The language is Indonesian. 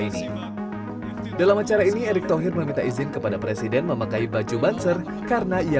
di sini dalam acara ini erick thohir meminta izin kepada presiden memakai baju banser karena ia